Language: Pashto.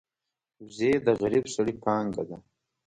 وزې د غریب سړي پانګه ده